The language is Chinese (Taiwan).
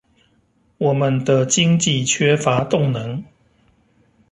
我們的經濟缺乏動能